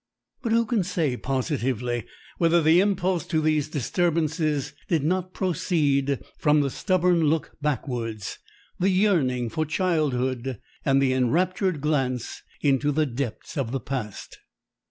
But who can say positively whether the impulse to these disturbances did not proceed from the stubborn look backwards, the yearning for childhood, and the enraptured glance into the depths of the past?